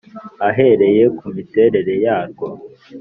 ahereye ku miterere yarwo,